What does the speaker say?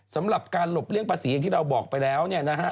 สำหรับการหลบเลี่ยงประสีอย่างที่เราบอกไปแล้ว